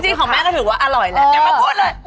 ของแม่ก็ถือว่าอร่อยแหละอย่ามาพูดเลย